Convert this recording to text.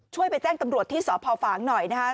ช่วยไปแจ้งตำรวจที่สภฝหน่อยนะคะ